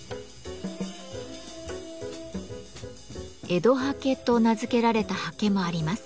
「江戸刷毛」と名付けられた刷毛もあります。